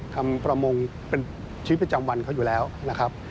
ประมงเป็นชีวิตประจำวันเขาอยู่แล้วนะครับ